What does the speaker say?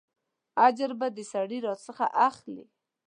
اجر به د سړي راڅخه اخلې.